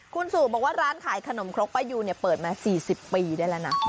คุณสู่บอกว่าร้านขายขนมครกป้ายูเนี่ยเปิดมา๔๐ปีได้แล้วนะ